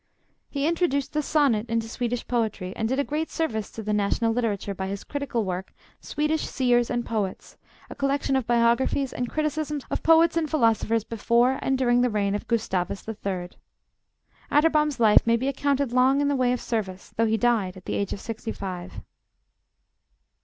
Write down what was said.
He introduced the sonnet into Swedish poetry, and did a great service to the national literature by his critical work, 'Swedish Seers and Poets,' a collection of biographies and criticisms of poets and philosophers before and during the reign of Gustavus III. Atterbom's life may be accounted long in the way of service, though he died at the age of sixty five.